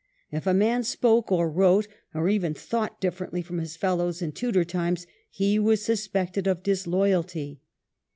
If a man spoke or wrote or even thought differently from his fellows in Tudor times, he was suspected of disloyalty.